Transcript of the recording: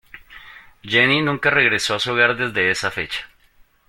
Jenny nunca regresó a su hogar desde esa fecha.